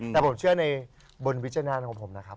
แต่ผมเชื่อในบนวิจารณ์ของผมนะครับ